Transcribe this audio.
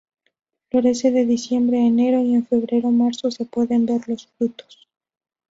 Florece de diciembre a enero y en febrero-marzo se pueden ver los frutos.